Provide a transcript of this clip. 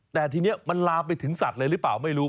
แต่ทีนี้มันลามไปถึงสัตว์เลยหรือเปล่าไม่รู้